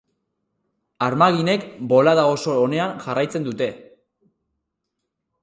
Armaginek bolada oso onean jarraitzen dute.